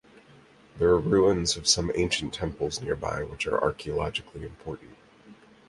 There are ruins of some ancient temples nearby which are archaeologically important.